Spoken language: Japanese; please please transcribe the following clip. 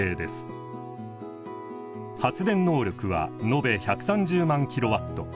発電能力は延べ１３０万キロワット。